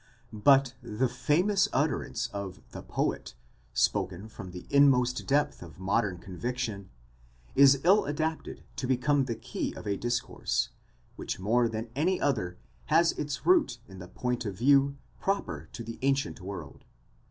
° But the famous utterance of the poet,* spoken from the inmost depth of modern conviction, is ill adapted to become the key of a discourse, which more than any other has its root in the point of view proper to the ancient world.